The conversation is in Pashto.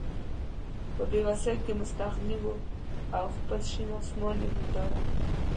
په بې وسۍ کې مستغني وو او خپل شین اسمان یې هېنداره وه.